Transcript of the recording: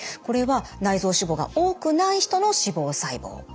これは内臓脂肪が多くない人の脂肪細胞。